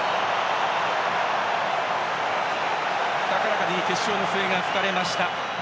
高らかに決勝の笛が吹かれました。